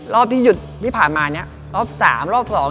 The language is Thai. รอบที่หยุดที่ผ่านมาเนี่ยรอบสามรอบสอง